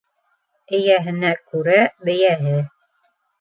Эйәһенә күрә бейәһе.